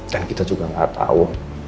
dan kita juga gak tau